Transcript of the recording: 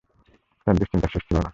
তার দুশ্চিন্তার শেষ ছিল না।